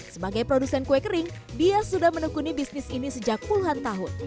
sebagai produsen kue kering dia sudah menekuni bisnis ini sejak puluhan tahun